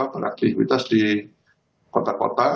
beraktivitas di kota kota